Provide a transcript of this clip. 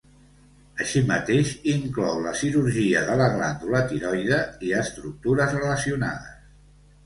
Així mateix inclou la cirurgia de la glàndula tiroide i estructures relacionades.